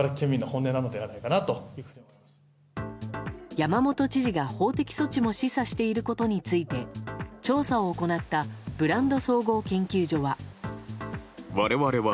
山本知事が法的措置も示唆していることについて調査を行ったブランド総合研究所は。